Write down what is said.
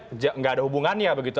tidak ada hubungannya begitu